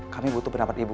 kami butuh pendapat ibu